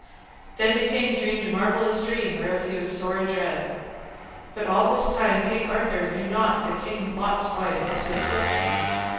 Then the king dreamed a marvellous dream whereof he was sore adread. But all this time King Arthur knew not that King Lot's wife was his sister.